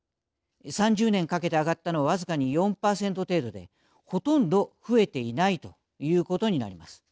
３０年かけて上がったのは僅かに４％程度でほとんど増えていないということになります。